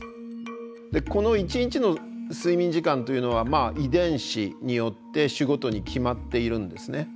この一日の睡眠時間というのは遺伝子によって種ごとに決まっているんですね。